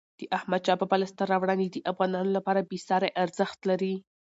د احمد شاه بابا لاسته راوړني د افغانانو لپاره بېساری ارزښت لري.